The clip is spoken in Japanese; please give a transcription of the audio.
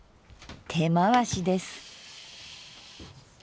手回しです。